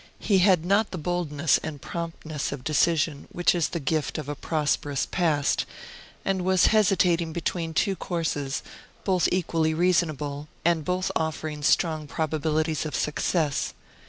He had not the boldness and promptness of decision which is the gift of a prosperous past, and was hesitating between two courses, both equally reasonable, and both offering strong probabilities of success.